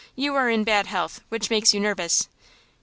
You are in bad health, which makes you nervous."